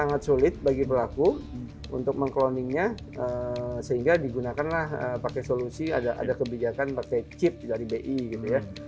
sangat sulit bagi pelaku untuk meng cloningnya sehingga digunakanlah pakai solusi ada kebijakan pakai chip dari bi gitu ya